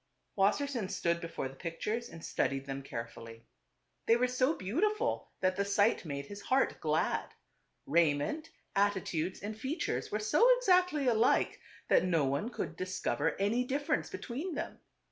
Wassersein stood before the pictures and studied them carefully. They were so beautiful that the sight ^'* made his heart glad. Raiment, atti tudes and features were so exactly alike, that no one could discover any difference between them.